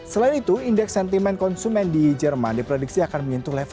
selain itu indeks sentimen konsumen di jerman diprediksi akan menyentuh level